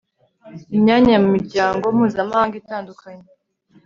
imyanya mu miryango mpuzamahanga itandukanye